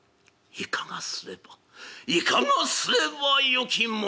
いかがすればいかがすればよきものか」。